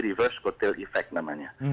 reverse kuatal efek namanya